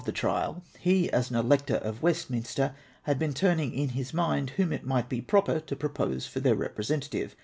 the trial, he, as an elector of Westminster, had 1)een turning in his mind whom it might be proper to propose for their re presentative.